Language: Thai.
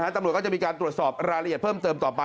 ตำรวจก็จะมีการตรวจสอบรายละเอียดเพิ่มเติมต่อไป